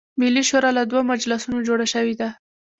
ملي شورا له دوه مجلسونو جوړه شوې ده.